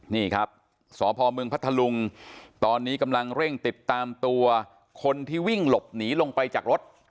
นี่ครับสพมพัทธลุงตอนนี้กำลังเร่งติดตามตัวคนที่วิ่งหลบหนีลงไปจากรถ